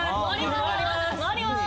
触ります！